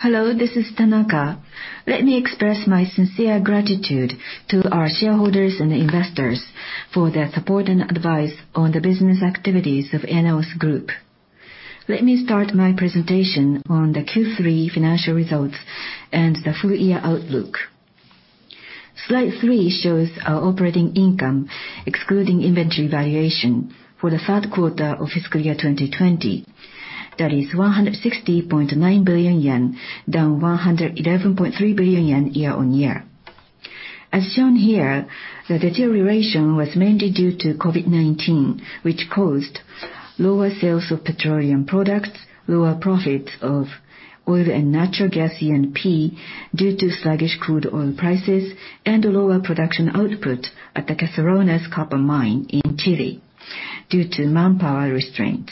Hello, this is Tanaka. Let me express my sincere gratitude to our shareholders and investors for their support and advice on the business activities of ENEOS Group. Let me start my presentation on the Q3 financial results and the full-year outlook. Slide three shows our operating income, excluding inventory valuation, for the third quarter of fiscal year 2020. That is 160.9 billion yen, down 111.3 billion yen year-on-year. As shown here, the deterioration was mainly due to COVID-19, which caused lower sales of petroleum products, lower profits of oil and natural gas E&P due to sluggish crude oil prices, and lower production output at the Caserones copper mine in Chile due to manpower restraints.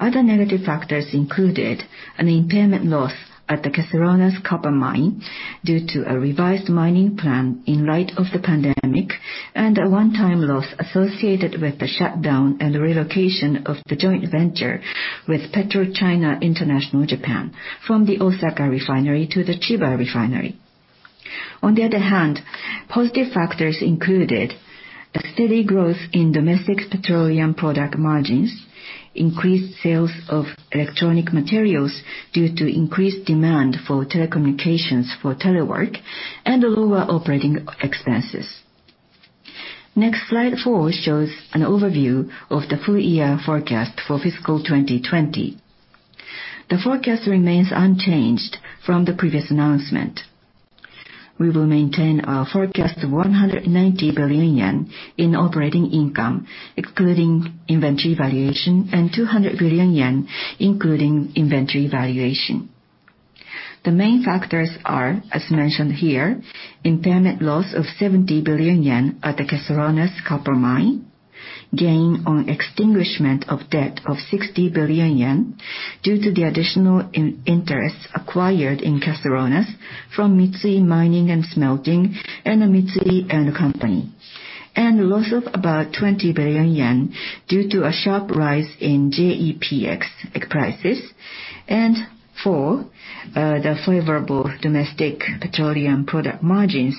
Other negative factors included an impairment loss at the Caserones copper mine due to a revised mining plan in light of the pandemic, and a one-time loss associated with the shutdown and relocation of the joint venture with PetroChina International Japan from the Osaka Refinery to the Chiba Refinery. Positive factors included a steady growth in domestic petroleum product margins, increased sales of electronic materials due to increased demand for telecommunications for telework, and lower operating expenses. Slide four shows an overview of the full-year forecast for fiscal 2020. The forecast remains unchanged from the previous announcement. We will maintain our forecast of 190 billion yen in operating income, excluding inventory valuation, and 200 billion yen, including inventory valuation. The main factors are, as mentioned here, impairment loss of 70 billion yen at the Caserones copper mine, gain on extinguishment of debt of 60 billion yen due to the additional interests acquired in Caserones from Mitsui Mining and Smelting and Mitsui & Co., and a loss of about 20 billion yen due to a sharp rise in JEPX prices. Four, the favorable domestic petroleum product margins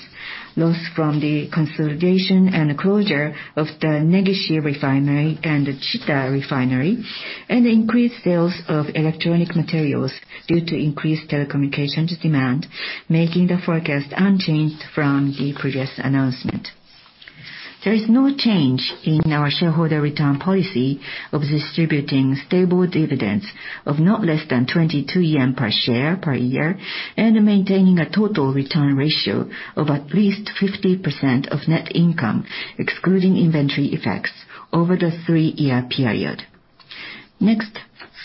loss from the consolidation and closure of the Negishi Refinery and the Chita Refinery, and increased sales of electronic materials due to increased telecommunications demand, making the forecast unchanged from the previous announcement. There is no change in our shareholder return policy of distributing stable dividends of not less than 22 yen per share per year, and maintaining a total return ratio of at least 50% of net income, excluding inventory effects, over the three-year period. Next,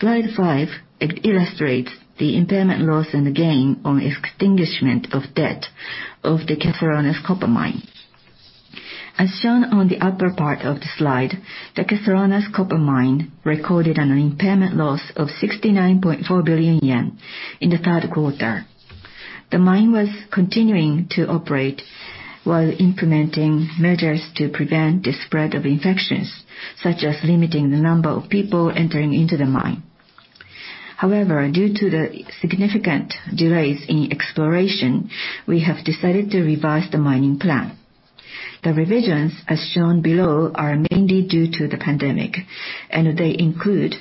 slide five illustrates the impairment loss and gain on extinguishment of debt of the Caserones copper mine. As shown on the upper part of the slide, the Caserones copper mine recorded an impairment loss of 69.4 billion yen in the third quarter. The mine was continuing to operate while implementing measures to prevent the spread of infections, such as limiting the number of people entering into the mine. However, due to the significant delays in exploration, we have decided to revise the mining plan. The revisions, as shown below, are mainly due to the pandemic, and they include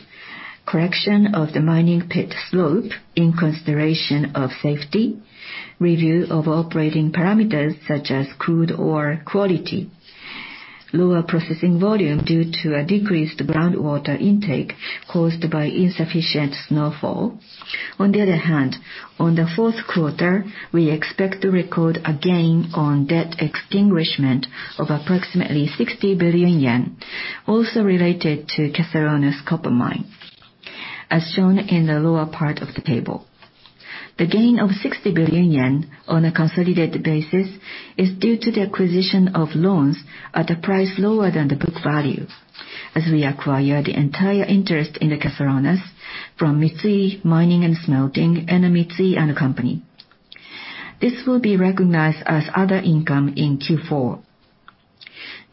correction of the mining pit slope in consideration of safety, review of operating parameters such as crude oil quality, lower processing volume due to a decreased groundwater intake caused by insufficient snowfall. On the other hand, on the fourth quarter, we expect to record a gain on debt extinguishment of approximately 60 billion yen, also related to Caserones copper mine, as shown in the lower part of the table. The gain of 60 billion yen on a consolidated basis is due to the acquisition of loans at a price lower than the book value, as we acquired entire interest in the Caserones from Mitsui Mining and Smelting and Mitsui & Co. This will be recognized as other income in Q4.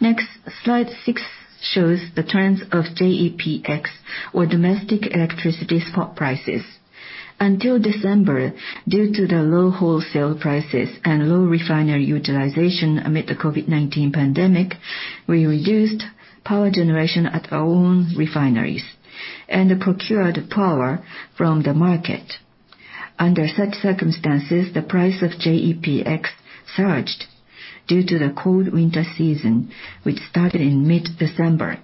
Next, slide six shows the trends of JEPX, or domestic electricity spot prices. Until December, due to the low wholesale prices and low refinery utilization amid the COVID-19 pandemic, we reduced power generation at our own refineries and procured power from the market. Under such circumstances, the price of JEPX surged due to the cold winter season, which started in mid-December.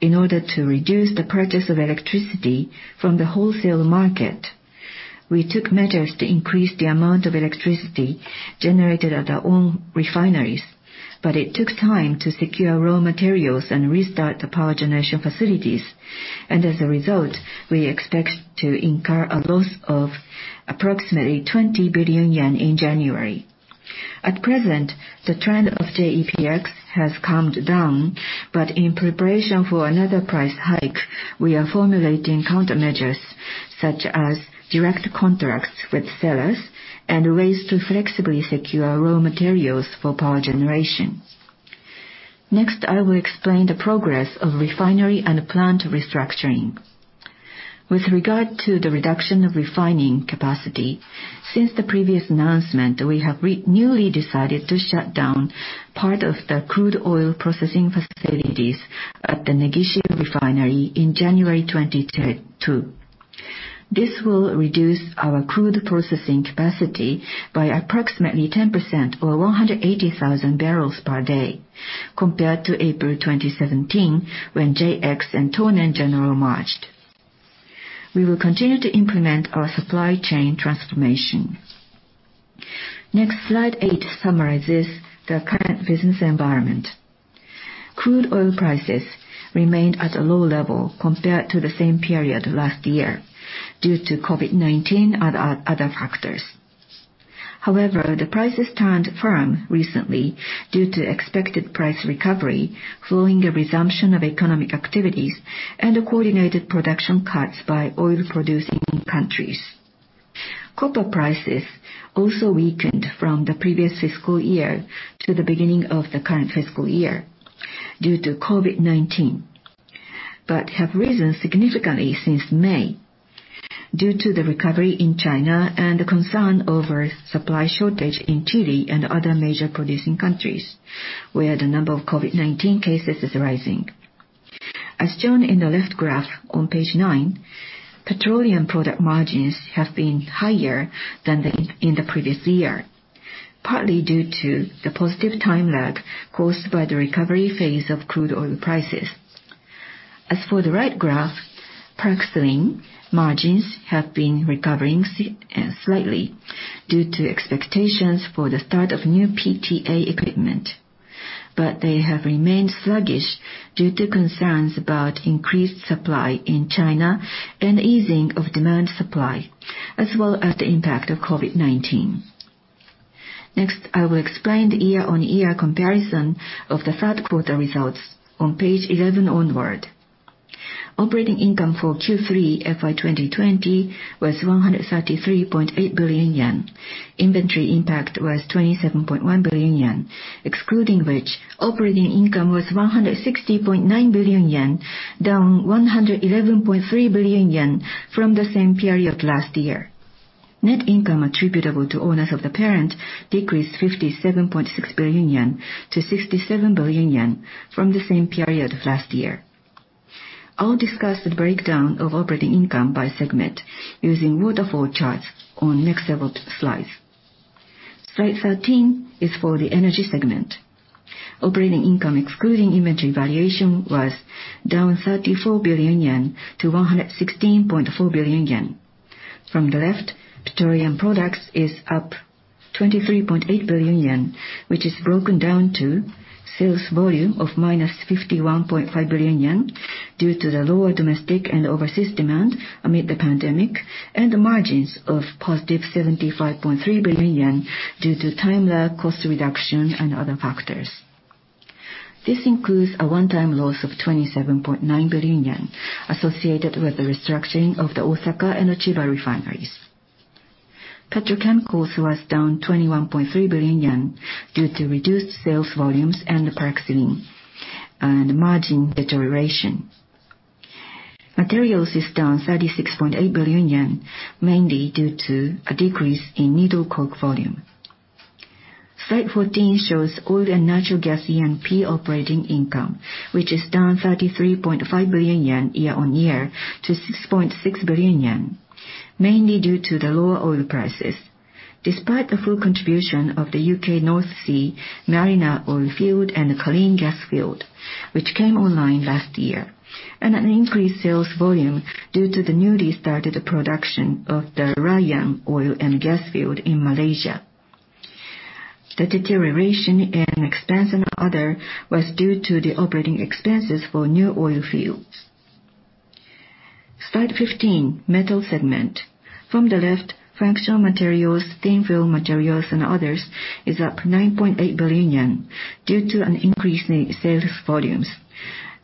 In order to reduce the purchase of electricity from the wholesale market, we took measures to increase the amount of electricity generated at our own refineries, but it took time to secure raw materials and restart the power generation facilities, and as a result, we expect to incur a loss of approximately 20 billion yen in January. At present, the trend of JEPX has calmed down, but in preparation for another price hike, we are formulating countermeasures such as direct contracts with sellers and ways to flexibly secure raw materials for power generation. Next, I will explain the progress of refinery and plant restructuring. With regard to the reduction of refining capacity, since the previous announcement, we have newly decided to shut down part of the crude oil processing facilities at the Negishi Refinery in January 2022. This will reduce our crude processing capacity by approximately 10%, or 180,000 bbl per day compared to April 2017, when JX and TonenGeneral merged. We will continue to implement our supply chain transformation. Next, slide eight summarizes the current business environment. Crude oil prices remained at a low level compared to the same period last year due to COVID-19 and other factors. However, the prices turned firm recently due to expected price recovery following a resumption of economic activities and coordinated production cuts by oil-producing countries. Copper prices also weakened from the previous fiscal year to the beginning of the current fiscal year due to COVID-19, but have risen significantly since May due to the recovery in China and the concern over supply shortage in Chile and other major producing countries, where the number of COVID-19 cases is rising. As shown in the left graph on page nine, petroleum product margins have been higher than in the previous year, partly due to the positive time lag caused by the recovery phase of crude oil prices. As for the right graph, paraxylene margins have been recovering slightly due to expectations for the start of new PTA equipment. They have remained sluggish due to concerns about increased supply in China and the easing of demand supply, as well as the impact of COVID-19. Next, I will explain the year-on-year comparison of the third quarter results on page 11 onward. Operating income for Q3 FY 2020 was 133.8 billion yen. Inventory impact was 27.1 billion yen, excluding which, operating income was 160.9 billion yen, down 111.3 billion yen from the same period last year. Net income attributable to owners of the parent decreased 57.6 billion yen to 67 billion yen from the same period last year. I'll discuss the breakdown of operating income by segment using waterfall charts on next several slides. Slide 13 is for the energy segment. Operating income excluding inventory valuation was down 34 billion yen to 116.4 billion yen. From the left, petroleum products is up 23.8 billion yen, which is broken down to sales volume of minus 51.5 billion yen due to the lower domestic and overseas demand amid the pandemic, and the margins of positive 75.3 billion yen due to time lag, cost reduction, and other factors. This includes a one-time loss of 27.9 billion yen associated with the restructuring of the Osaka and Chiba refineries. Petrochemicals was down 21.3 billion yen due to reduced sales volumes and the paraxylene, and margin deterioration. Materials is down 36.8 billion yen, mainly due to a decrease in needle coke volume. Slide 14 shows oil and natural gas E&P operating income, which is down 33.5 billion yen year-on-year to 6.6 billion yen, mainly due to the lower oil prices, despite the full contribution of the U.K. North Sea Mariner oil field and the Culzean gas field, which came online last year, and an increased sales volume due to the newly started production of the Layang oil and gas field in Malaysia. The deterioration in expense and other was due to the operating expenses for new oil fields. Slide 15, metal segment. From the left, functional materials, thin film materials, and others is up 9.8 billion yen due to an increase in sales volumes,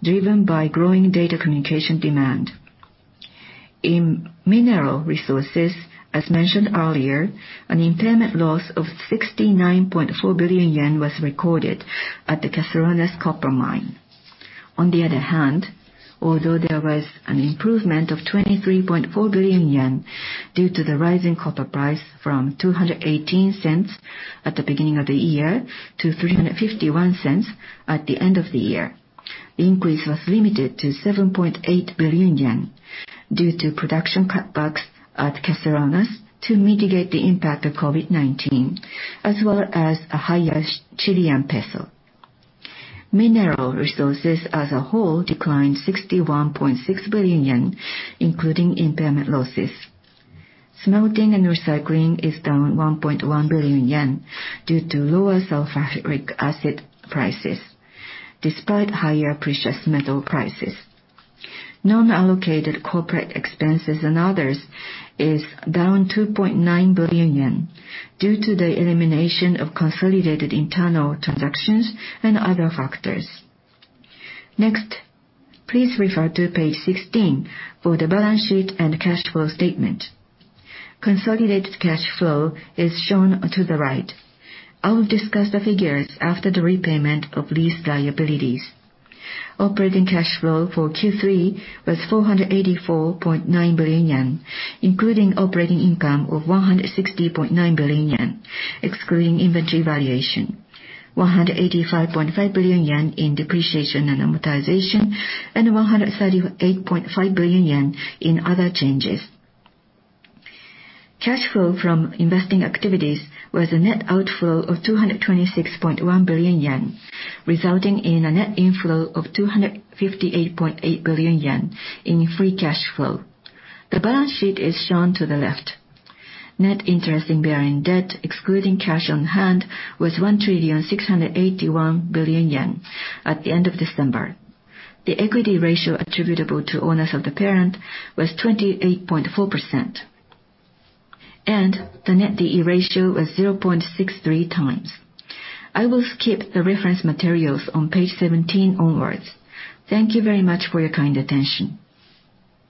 driven by growing data communication demand. In mineral resources, as mentioned earlier, an impairment loss of 69.4 billion yen was recorded at the Caserones copper mine. On the other hand, although there was an improvement of 23.4 billion yen due to the rising copper price from $2.18 at the beginning of the year to $3.51 at the end of the year, the increase was limited to 7.8 billion yen due to production cutbacks at Caserones to mitigate the impact of COVID-19, as well as a higher Chilean peso. Mineral resources as a whole declined 61.6 billion yen, including impairment losses. Smelting and recycling is down 1.1 billion yen due to lower sulfuric acid prices, despite higher precious metal prices. Non-allocated corporate expenses and others is down 2.9 billion yen due to the elimination of consolidated internal transactions and other factors. Next, please refer to page 16 for the balance sheet and cash flow statement. Consolidated cash flow is shown to the right. I will discuss the figures after the repayment of lease liabilities. Operating cash flow for Q3 was 484.9 billion yen, including operating income of 160.9 billion yen, excluding inventory valuation, 185.5 billion yen in depreciation and amortization, and 138.5 billion yen in other changes. Cash flow from investing activities was a net outflow of 226.1 billion yen, resulting in a net inflow of 258.8 billion yen in free cash flow. The balance sheet is shown to the left. Net interest-bearing debt, excluding cash on hand, was 1,681 billion yen at the end of December. The equity ratio attributable to owners of the parent was 28.4%, and the net D/E ratio was 0.63 times. I will skip the reference materials on page 17 onwards. Thank you very much for your kind attention.